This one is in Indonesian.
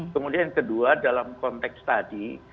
kemudian yang kedua dalam konteks tadi